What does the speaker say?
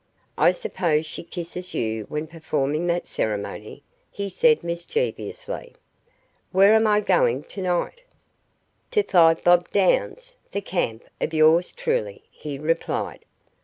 I suppose she kisses you when performing that ceremony," he said mischievously. "Where am I going tonight?" "To Five Bob Downs, the camp of yours truly," he replied.